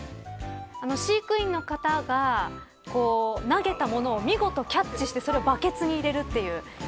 飼育員の方が投げたものを見事キャッチしてそれをバケツに入れるという。